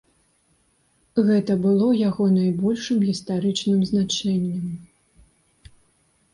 Гэта было яго найбольшым гістарычным значэннем.